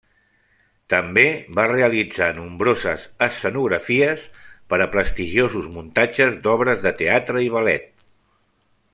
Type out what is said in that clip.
També va realitzar nombroses escenografies per a prestigiosos muntatges d'obres de teatre i ballet.